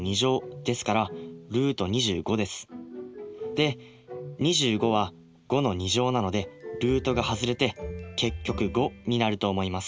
で２５は５なのでルートが外れて結局５になると思います。